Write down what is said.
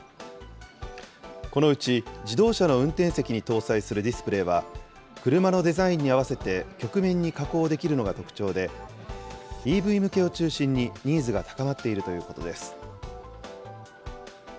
このうち、自動車の運転席に搭載するディスプレーは、車のデザインに合わせて曲面に加工できるのが特徴で、ＥＶ向けを中心に、ニーズが高まっているということです。